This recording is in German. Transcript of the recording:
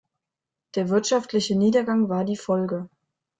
Der wirtschaftliche Niedergang war die Folge.